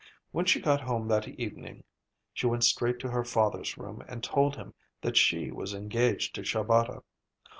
When she got home that evening she went straight to her father's room and told him that she was engaged to Shabata.